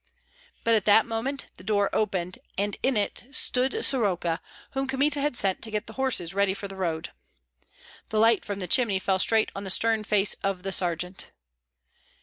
But at that moment the door opened, and in it stood Soroka, whom Kmita had sent to get the horses ready for the road. The light from the chimney fell straight on the stern face of the sergeant.